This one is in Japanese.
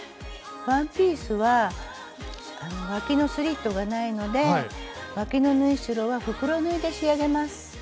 ワンピースはわきのスリットがないのでわきの縫い代は袋縫いで仕上げます。